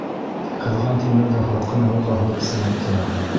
Ҡыҙған тимерҙе һалҡын һыуға һалып сыныҡтыра.